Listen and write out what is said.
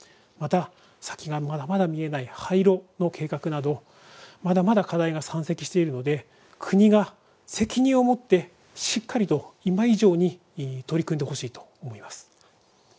また、先がまだまだ見えない廃炉の計画などまだまだ課題は山積しているので国が責任を持ってしっかりと今以上に取り組んでほしいと思います。